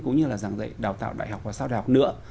cũng như là giảng dạy đào tạo đại học và sao đào học nữa